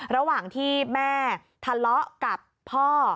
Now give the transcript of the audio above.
ระหว่างที่แม่ทะเลาะกับพ่อ